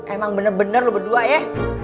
emang bener bener loh berdua ya